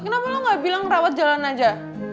kenapa lo gak bilang rawat jalan aja